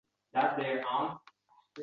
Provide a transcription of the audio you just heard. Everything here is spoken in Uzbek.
Kitob o‘qib she’r yozmayman.